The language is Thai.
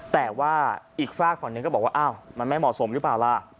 แต่ว่าอีกฝากฝั่งหนึ่งก็บอกว่าอ้าวมันไม่เหมาะสมหรือเปล่าล่ะ